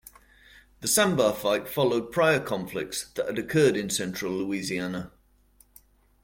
The Sandbar Fight followed prior conflicts that had occurred in central Louisiana.